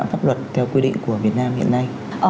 quy phạm pháp luật theo quy định của việt nam hiện nay